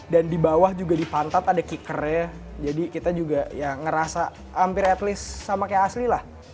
dan di bawah juga dipantat ada kickernya jadi kita juga ya ngerasa hampir at least sama kayak asli lah